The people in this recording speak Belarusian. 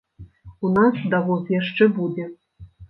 У нас давоз яшчэ будзе.